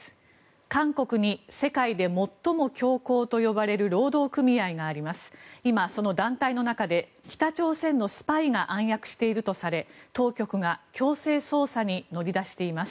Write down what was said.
韓国に世界で最も強硬と呼ばれる労働組合があります。